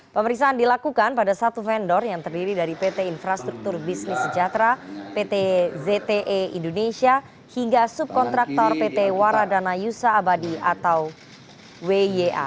pemeriksaan dilakukan pada satu vendor yang terdiri dari pt infrastruktur bisnis sejahtera pt zte indonesia hingga subkontraktor pt waradana yusa abadi atau wya